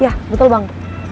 iya betul bang